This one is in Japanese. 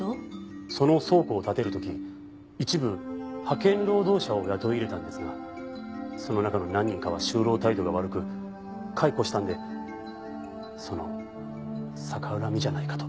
その倉庫を建てる時一部派遣労働者を雇い入れたんですがその中の何人は就労態度が悪く解雇したんでその逆恨みじゃないかと。